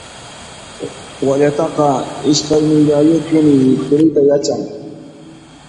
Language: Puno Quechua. Wallataqa iskaynillayuqpuni puriyta yachan.